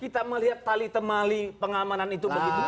kita melihat tali temali pengamanan itu begitu